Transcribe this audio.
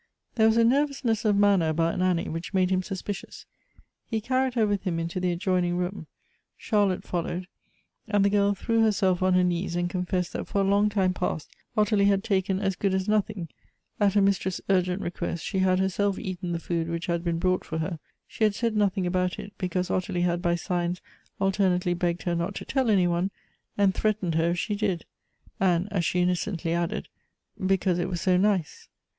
There was a nervousness of manner about N;inny which made him suspicious. He carried her with liini into the adjoining room ; Charlotte followed ; and the gii 1 threw herself on her knees, and confessed that for a long time past Ottilie had taken as good as nothing ; iit her mistress' urgent request, she had herself eaten the food which had been brought for her; she had said noth ing about it, because Ottilie had by signs alternately begged her not to tell any one, and threatened her if she did ; and, as she innocently added " because it was so nice."